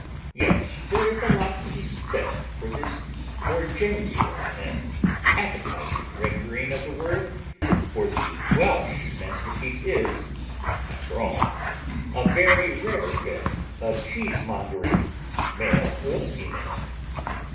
Yet there is a lot to be said for this more genteel and appetizing rendering of the word, for the Welsh masterpiece is, after all, a very rare bit of cheesemongery, male or female.